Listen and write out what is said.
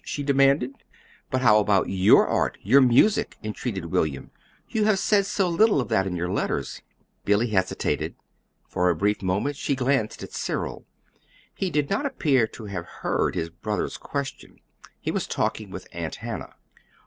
she demanded. "But how about YOUR art your music?" entreated William. "You have said so little of that in your letters." Billy hesitated. For a brief moment she glanced at Cyril. He did not appear to have heard his brother's question. He was talking with Aunt Hannah.